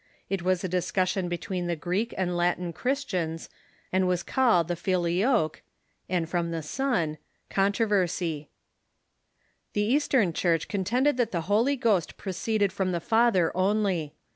It was a discussion between the Greek and Latin Christians, and was the°HoK Ghost cabled the Filioque (and from the Son) controver sy. The Eastern Church contended that the Holy Ghost proceeded from the Father only.